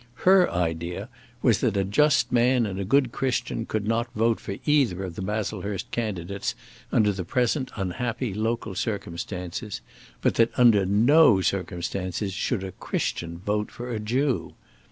Her idea was that a just man and a good Christian could not vote for either of the Baslehurst candidates under the present unhappy local circumstances; but that under no circumstances should a Christian vote for a Jew.